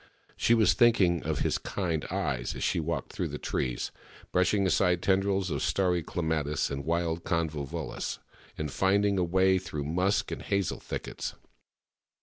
She was thinking of his kind eyes as she walked through the trees, brushing aside tendrils of starry clematis and wild convolvulus, and finding a way through musk and hazel thickets.